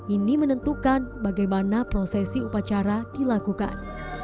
ini menentukan bagaimana prosesi upacara dilakukan